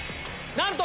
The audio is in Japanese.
なんと！